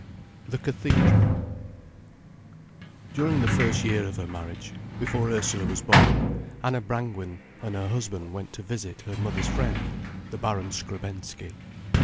THE CATHEDRAL During the first year of her marriage, before Ursula was born, Anna Brangwen and her husband went to visit her mother's friend, the Baron Skrebensky.